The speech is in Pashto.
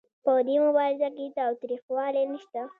په دې مبارزه کې تاوتریخوالی نشته.